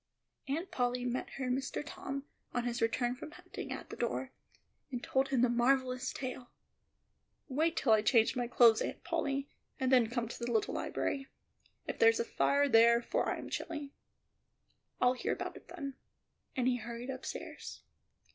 Aunt Polly met her Mr. Tom, on his return from hunting, at the door, and told him the marvellous tale. "Wait till I change my clothes, Aunt Polly, and then come to the little library, if there's a fire there, for I am chilly; I'll hear all about it then;" and he hurried upstairs.